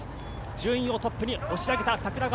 順位をトップに押し上げた櫻川。